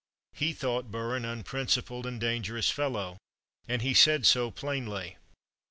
He thought Burr an unprincipled and dangerous fellow, and he said so plainly.